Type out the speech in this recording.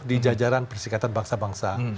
di jajaran persikatan bangsa bangsa